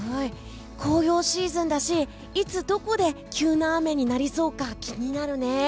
紅葉シーズンだしいつどこで急な雨になりそうか気になるね。